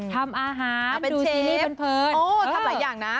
ทำอาหารไปดูซีรีส์เพลินโอ้ทำหลายอย่างนะ